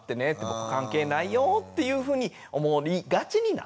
僕関係ないよっていうふうに思いがちになってしまう。